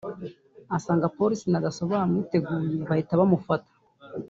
asanga Polisi na Dasso bamwiteguye bahita bamufata